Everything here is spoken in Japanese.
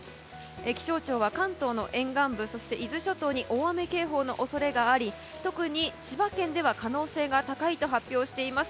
気象庁は、関東の沿岸部そして伊豆諸島に大雨警報の恐れがあり特に千葉県では可能性が高いと発表しています。